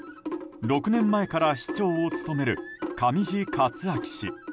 ６年前から市長を務める上地克明氏。